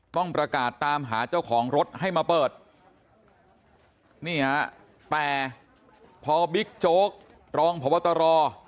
ต้องประกาศตามหาเจ้าของรถให้มาเปิดนี่ฮะแต่พอบิ๊กโจ๊กรองพบตร